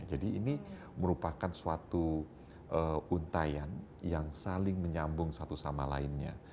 jadi ini merupakan suatu untayan yang saling menyambung satu sama lainnya